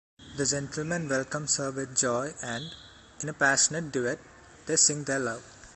The gentleman welcomes her with joy and, in a passionate duet, they sing their love.